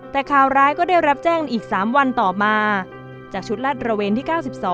แต่ข่าวร้ายก็ได้รับแจ้งในอีก๓วันต่อมาจากชุดลาดระเวนที่๙๒